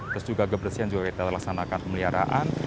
terus juga kebersihan juga kita laksanakan pemeliharaan